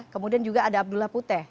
kemudian juga ada abdullah putih